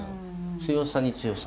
強さに強さ。